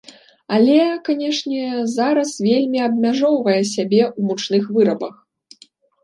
Але, канешне, зараз вельмі абмяжоўвае сябе ў мучных вырабах.